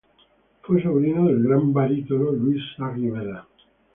Fue sobrino del gran barítono Luis Sagi Vela.